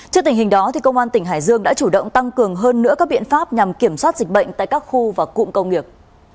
trước tình hình đó công an tỉnh hải dương đã chủ động tăng cường hơn nữa các biện pháp nhằm kiểm soát dịch bệnh tại các khu và cụm công nghiệp